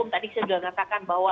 jadi tadi saya sudah mengatakan bahwa